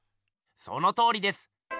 そのとおりです！